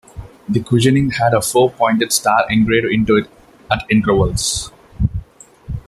The cushioning had a four pointed star engraved into it at intervals.